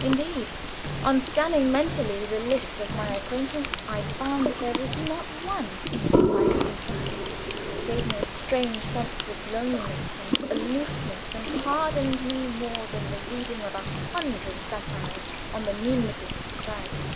Indeed, on scanning mentally the list of my acquaintance, I found that there was not one in whom I could confide. It gave me a strange sense of loneliness and aloofness, and hardened me more than the reading of a hundred satires on the meannesses of society.